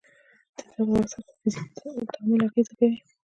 تیزاب او اساس په فزیکي تعامل اغېزه کوي.